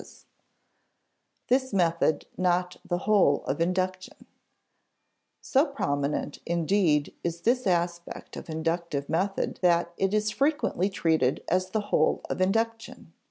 [Sidenote: This method not the whole of induction] So prominent, indeed, is this aspect of inductive method that it is frequently treated as the whole of induction.